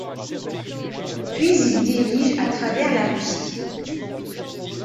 Puis il dirige à travers la Russie.